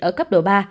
ở cấp độ ba